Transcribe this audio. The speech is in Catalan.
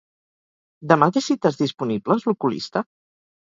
Demà té cites disponibles l'oculista?